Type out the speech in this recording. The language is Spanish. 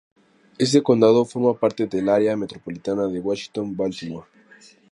Este condado forma parte del Área metropolitana de Washington-Baltimore.